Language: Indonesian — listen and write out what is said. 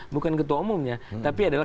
bukan ketua umumnya tapi adalah